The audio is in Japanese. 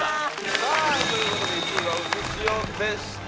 さぁということで１位はうすしおでした。